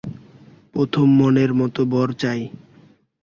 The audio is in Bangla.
প্রথম মনের মত বর চাই।